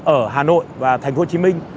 ở hà nội và thành phố hồ chí minh